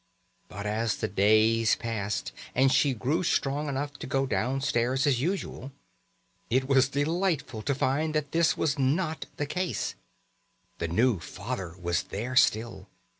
But as the days passed and she grew strong enough to go downstairs as usual, it was delightful to find that this was not the case. The new father was there still.